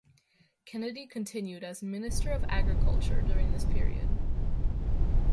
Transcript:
Kennedy continued as Minister of Agriculture during this period.